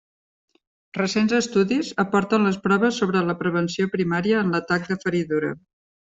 Recents estudis aporten les proves sobre la prevenció primària en l'atac de feridura.